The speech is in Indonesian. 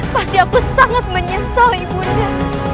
pasti aku sangat menyesal ibunda